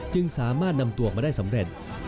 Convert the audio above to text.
จึงสามารถนำตัวออกมาได้สำเร็จ